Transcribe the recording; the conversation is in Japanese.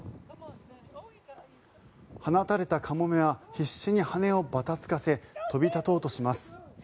放たれたカモメは必死に羽をばたつかせ飛び立とうとします。